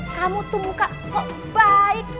kamu tuh muka sok baik